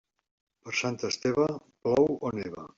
Per Sant Esteve, plou o neva.